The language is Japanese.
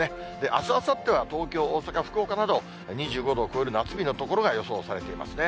あす、あさっては東京、大阪、福岡など、２５度を超える夏日の所が予想されていますね。